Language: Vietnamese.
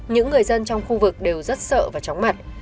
những người dân trong khu vực đều rất sợ và chóng mặt